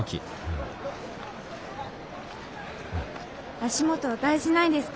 足元大事ないですか？